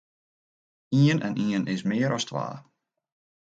Ien en ien is mear as twa.